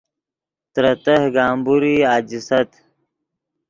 ترے تہہ گمبورئی اَجیست